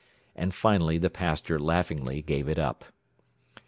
And finally the pastor laughingly gave it up.